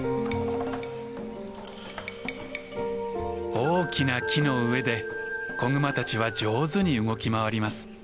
大きな木の上で子グマたちは上手に動き回ります。